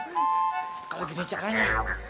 sekali lagi ngecekannya